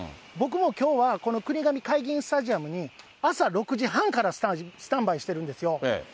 僕もきょうは、この国頭かいぎんスタジアムに朝６時半からスタンバイしてるんですよ。